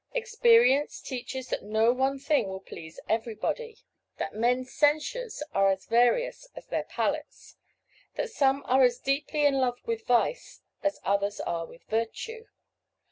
Experience teaches that no one thing will please everybody; that men's censures are as various as their palates; that some are as deeply in love with vice as others are with virtue.